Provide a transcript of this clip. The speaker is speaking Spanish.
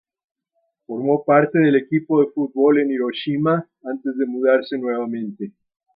Formó parte del equipo de fútbol en Hiroshima, antes de mudarse nuevamente.